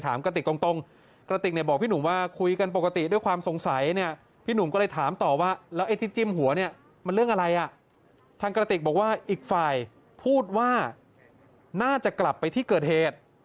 ทางกะติกบอกว่าอีกฝ่ายพูดว่าน่าจะกลับไปที่เกิดเหตุ